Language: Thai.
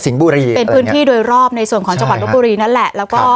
บุรีเป็นพื้นที่โดยรอบในส่วนของจังหวัดลบบุรีนั่นแหละแล้วก็